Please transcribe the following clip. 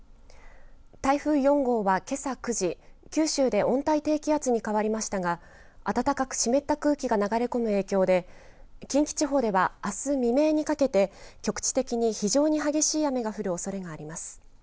台風４号は、けさ９時九州で温帯低気圧に変わりましたが暖かく湿った空気が流れ込む影響で近畿地方では、あす未明にかけて局地的に非常に激しい雨が降るおそれがあります。